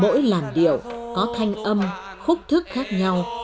mỗi làn điệu có thanh âm khúc thức khác nhau